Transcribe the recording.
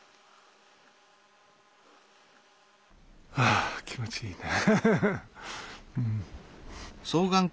あ気持ちいいね。